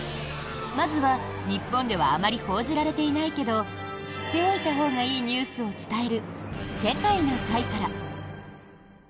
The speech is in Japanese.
まずは日本ではあまり報じられていないけど知っておいたほうがいいニュースを伝える「世界な会」から。